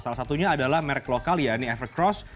salah satunya adalah merek lokal ya ini evercross